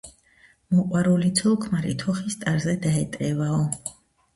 მოყვარული ცოლ–ქმარი თოხის ტარზე დაეტევაო